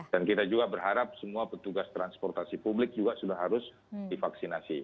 dan kita juga berharap semua petugas transportasi publik juga sudah harus divaksinasi